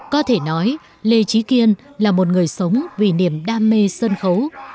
có thể nói lê trí kiên là một người sống vì niềm đam mê sân khấu